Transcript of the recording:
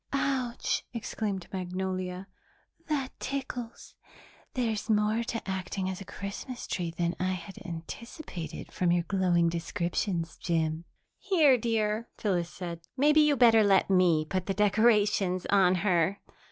"Ouch," exclaimed Magnolia, "that tickles! There's more to acting as a Christmas tree than I had anticipated from your glowing descriptions, Jim." "Here, dear," Phyllis said, "maybe you'd better let me put the decorations on her."